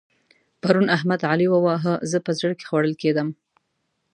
پرون احمد؛ علي وواهه. زه په زړه کې خوړل کېدم.